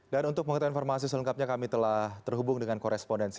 dan untuk mengenai informasi selengkapnya kami telah terhubung dengan korespondensi